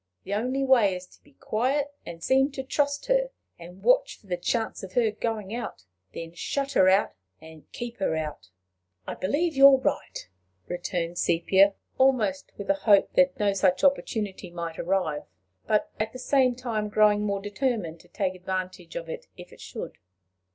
The only way is to be quiet, and seem to trust her, and watch for the chance of her going out then shut her out, and keep her out." "I believe you are right," returned Sepia, almost with a hope that no such opportunity might arrive, but at the same time growing more determined to take advantage of it if it should.